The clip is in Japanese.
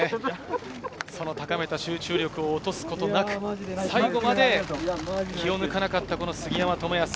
高めた集中力を落とすことなく、最後まで気を抜かなかった杉山知靖。